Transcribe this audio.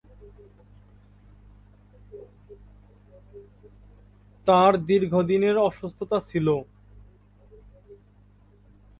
তার দীর্ঘদিনের অসুস্থতা ছিল।